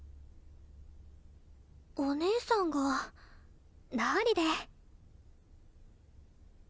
お姉さんがどうりで。